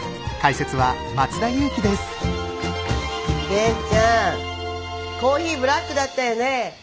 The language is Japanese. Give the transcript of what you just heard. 元ちゃんコーヒーブラックだったよね。